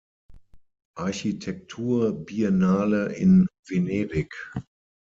Architektur-Biennale in Venedig.